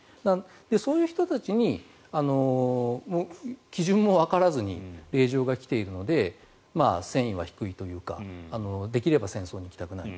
そういう人たちに基準もわからずに令状が来ているので戦意は低いというかできれば戦争に行きたくない。